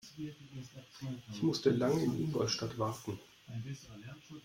Ich musste lange in Ingolstadt warten